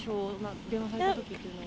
電話されたときっていうのは。